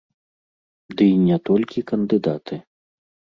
Ды і не толькі кандыдаты.